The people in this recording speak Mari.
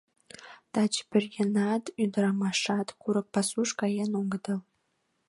Таче пӧръеҥат, ӱдырамашат курык пасуш каен огытыл.